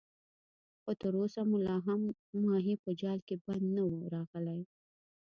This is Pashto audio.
خو تر اوسه مو لا کوم ماهی په جال کې بند نه وو راغلی.